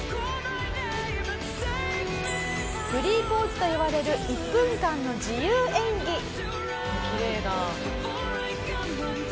「フリーポーズといわれる１分間の自由演技」「きれいだ」